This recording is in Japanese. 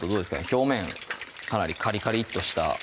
表面かなりカリカリッとした